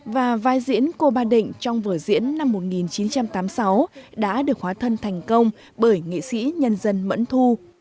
và vai diễn cô ba định trong vở diễn năm một nghìn chín trăm tám mươi sáu đã được hóa thân thành công bởi nghị sĩ nhân dân mẫn thu